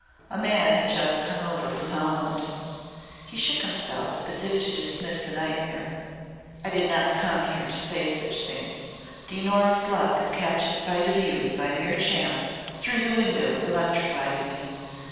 A man had just come over from Holland," he shook himself as if to dismiss a nightmare. "I did not come here to say such things. The enormous luck of catching sight of you, by mere chance, through the window electrified me.